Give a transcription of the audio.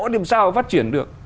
làm sao phát triển được